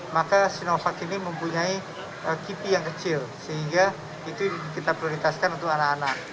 maka sinovac ini mempunyai kipi yang kecil sehingga itu kita prioritaskan untuk anak anak